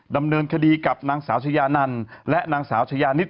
ดำเนินคดีกับนางสาวชายานันและนางสาวชายานิด